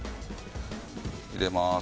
入れます。